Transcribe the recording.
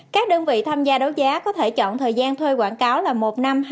các đơn vị tham gia đấu giá có thể chọn thời gian thuê quảng cáo là một năm